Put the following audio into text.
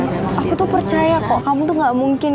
aku tuh percaya kok kamu tuh gak mungkin